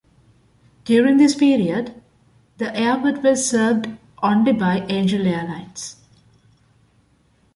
During this period, the airport was served only by Angel Airlines.